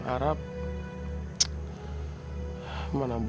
ark sialah ubat